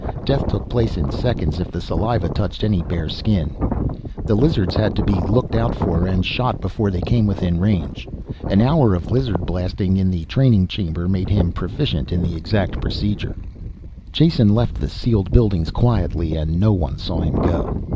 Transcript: Death took place in seconds if the saliva touched any bare skin. The lizards had to be looked out for, and shot before they came within range. An hour of lizard blasting in a training chamber made him proficient in the exact procedure. Jason left the sealed buildings quietly and no one saw him go.